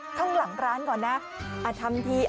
ข้างหลังร้านก่อนนะทำที